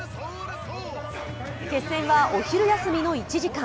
決戦はお昼休みの１時間。